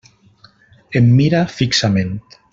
Em mira fixament.